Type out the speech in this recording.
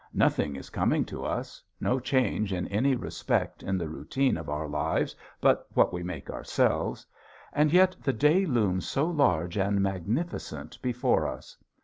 Nothing is coming to us, no change in any respect in the routine of our lives but what we make ourselves, and yet the day looms so large and magnificent before us!